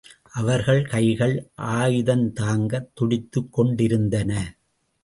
அவர்கள் கைகள் ஆயுதந்தாங்கத் துடித்துக் கொண்டிருந்தன.